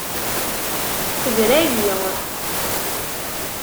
Tebra-yi.